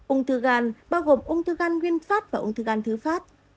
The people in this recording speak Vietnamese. ung thư gan bao gồm ung thư gan nguyên phát và ung thư gan thứ phát